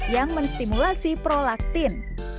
yang menstimulasi prolaktin